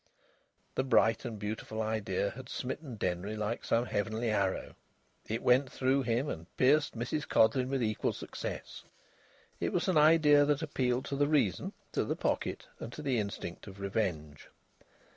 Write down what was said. The bright and beautiful idea had smitten Denry like some heavenly arrow. It went through him and pierced Mrs Codleyn with equal success. It was an idea that appealed to the reason, to the pocket, and to the instinct of revenge.